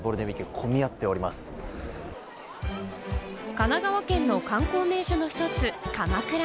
神奈川県の観光名所の一つ、鎌倉。